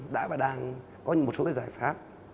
đã và đang có một số cái giải pháp